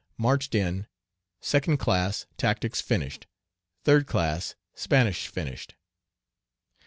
Marched in. Second class, tactics finished. Third class, Spanish finished.